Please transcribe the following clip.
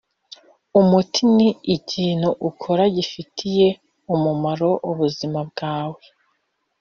umuti ni ikintu ukora gifitiye umumaro ubuzima bwawe.